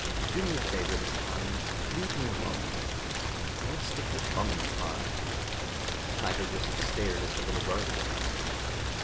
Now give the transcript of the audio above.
"Do me a favor this time. Leave me alone. Don't stick your thumb in the pie." Tiger just stared at the little Garvian.